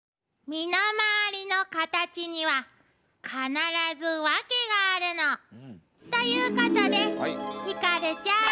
身の回りのカタチには必ずワケがあるの。ということでひかるちゃん。